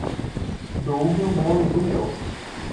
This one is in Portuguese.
Doug é um bom amigo meu.